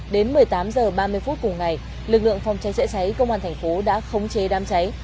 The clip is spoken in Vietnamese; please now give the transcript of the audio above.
đến một mươi tám h ba mươi phút cùng ngày lực lượng phòng cháy chữa cháy công an thành phố đã khống chế đám cháy